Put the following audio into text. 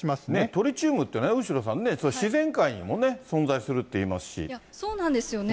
トリチウムってね、後呂さんね、自然界にもね、存在するってそうなんですよね。